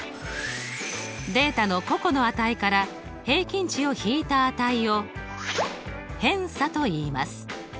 データの個々の値から平均値を引いた値を偏差といいます。